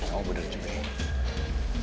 kamu berdua cepet